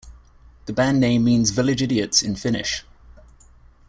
The band name means "Village Idiots" in Finnish.